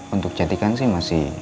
untuk catikan sih masih